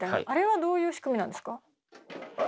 あれはどういう仕組みなんですか？